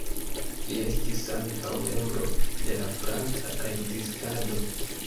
Li estis ankaŭ membro de la Franca rezistado.